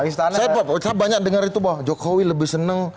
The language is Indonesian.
saya banyak dengar itu bahwa jokowi lebih senang